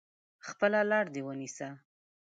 خپله لار دي ونیسه !